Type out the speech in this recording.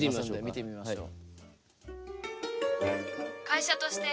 見てみましょう。